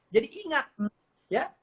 jadi ingat ya